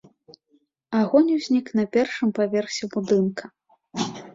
Агонь узнік на першым паверсе будынка.